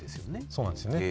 そうなんですよね。